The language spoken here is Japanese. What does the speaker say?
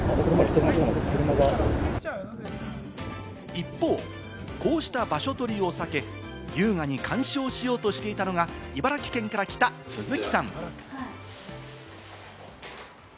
一方、こうした場所取りを避け、優雅に観賞しようとしていたのが、茨城県から来た鈴木さん。